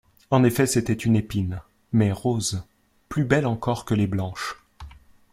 En effet c’était une épine, mais rose, plus belle encore que les blanches.